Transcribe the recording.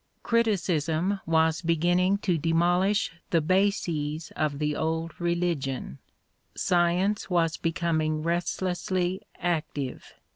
Criticism was beginning to demolish the bases of the Old Religion ; science was becoming restlessly active.